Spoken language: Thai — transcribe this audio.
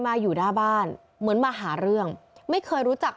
อยู่หน้าบ้านเหมือนมาหาเรื่องไม่เคยรู้จัก